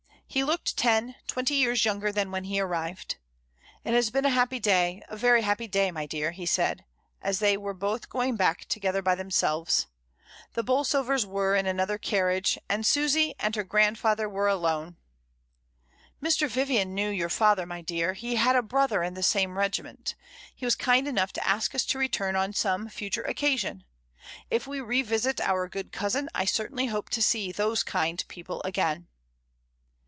He looked ten — twenty years younger than when he arrived. "It has been a happy day, a very happy day, my dear," he said, as they were both going back together by themselves. The Bolsovers were in an other carriage, and Susy and her grandfather were alone. "Mr. Vivian knew your father, my dear, he had a brother in the same regiment. He was kind enough to ask us to return on some future occa sion; if we revisit our good cousin, I certainly hope to see those kind people again."